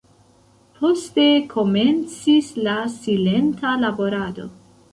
Poste komencis la silenta laborado.